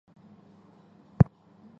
所有的人和所有的行星都属于类。